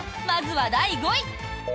まずは第５位。